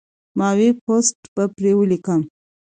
ما وې پوسټ به پرې وليکم